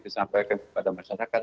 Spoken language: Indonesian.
disampaikan kepada masyarakat